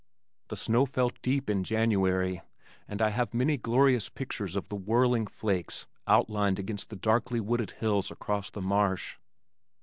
The snow fell deep in January and I have many glorious pictures of the whirling flakes outlined against the darkly wooded hills across the marsh.